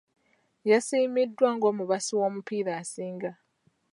Yasiimiddwa ng'omubasi w'omupiira asinga .